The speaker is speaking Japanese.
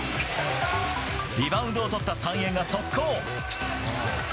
リバウンドをとった三遠が速攻。